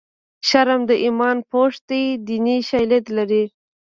شرم د ایمان پوښ دی دیني شالید لري